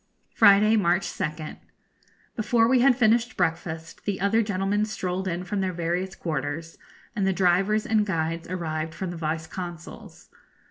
Friday, March 2nd. Before we had finished breakfast the other gentlemen strolled in from their various quarters, and the drivers and guides arrived from the Vice Consul's.